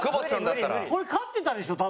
これ勝ってたでしょ多分。